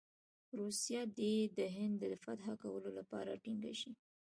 روسیه دې د هند د فتح کولو لپاره ټینګه شي.